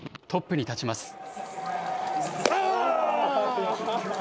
トップに立ちます。